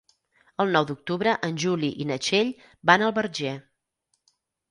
El nou d'octubre en Juli i na Txell van al Verger.